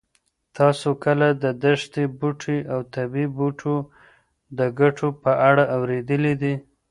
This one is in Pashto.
تاسو کله د دښتي بوټو او طبي بوټو د ګټو په اړه اورېدلي دي؟